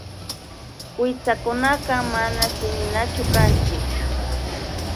Kuytsakunataka mana tsininachu kanchik